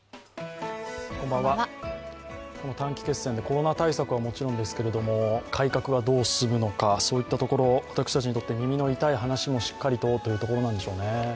この短期決戦でコロナ対策はもちろんですけれども、改革はどうするのか、そういったところ、私たちにとって耳の痛い話もしっかりとというところなんでしょうね。